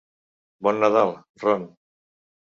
Bon Nadal, Ron!